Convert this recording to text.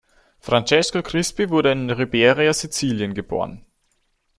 Francesco Crispi wurde in Ribera, Sizilien, geboren.